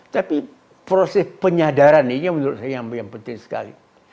tapi proses penyadaran ini menurut saya yang penting sekali